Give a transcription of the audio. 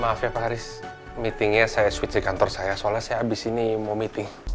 maaf ya pak haris meetingnya saya switch di kantor saya soalnya saya habis ini mau meeting